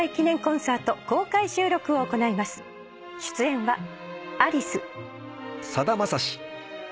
出演は。